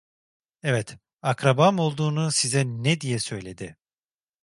Evet, akrabam olduğunu size ne diye söyledi?